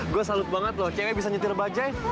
gue salut banget loh cewek bisa nyetir bajai